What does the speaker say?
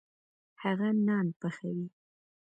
هغه نان پخوي.